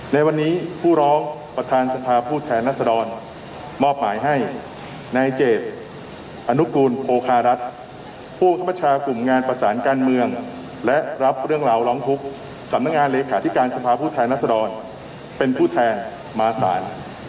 ในวันนี้ผู้ร้องประธานสภาผู้แทนรัศดรมอบหมายให้นายเจตอนุกูลโคคารัฐผู้คับประชากลุ่มงานประสานการเมืองและรับเรื่องราวร้องทุกข์สำนักงานเลขาธิการสภาพผู้แทนรัศดรเป็นผู้แทนมาสาร